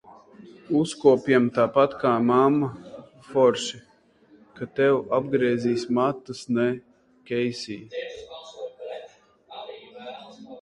Uzkopjam tāpat kā mamma Forši, ka tev apgriezīs matus, ne, Keisija?